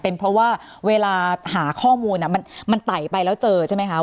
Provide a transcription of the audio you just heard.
เป็นเพราะว่าเวลาหาข้อมูลมันไต่ไปแล้วเจอใช่ไหมคะ